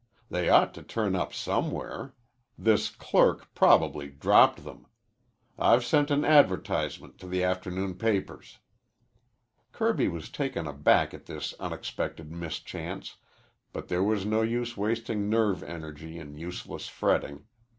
They ought to turn up somewhere. This clerk probably dropped them. I've sent an advertisement to the afternoon papers." Kirby was taken aback at this unexpected mischance, but there was no use wasting nerve energy in useless fretting.